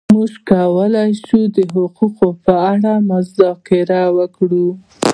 موږ کولای شو د حقوقو په اړه مذاکره وکړو.